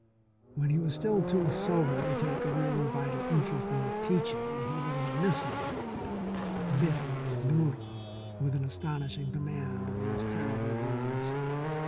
When he was still too sober to take a really vital interest in the teaching, he was a misanthrope, bitter and brutal, with an astonishing command of the most terrible words.